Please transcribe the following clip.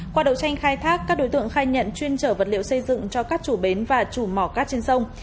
qua đầu tranh khai thác các đối tượng khai nhận chuyên trở vật liệu xây dựng cho các chủ bến và chủ mỏ cát trên sông